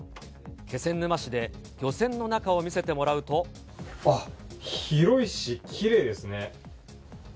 気仙沼市で漁船の中を見せてもらあっ、広いしきれいですね。